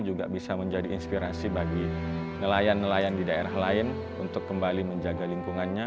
juga bisa menjadi inspirasi bagi nelayan nelayan di daerah lain untuk kembali menjaga lingkungannya